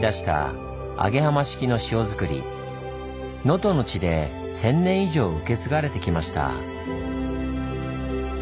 能登の地で１，０００年以上受け継がれてきました。